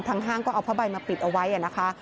ห้างก็เอาผ้าใบมาปิดเอาไว้นะคะ